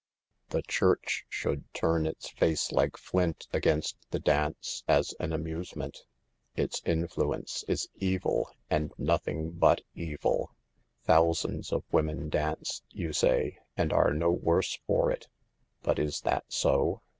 The Church should turn its face like flint against the dance as an amusement. Its influ ence is evil and nothing but evil. " Thou sands of women dance," you say, " and are no worse for it." But is that so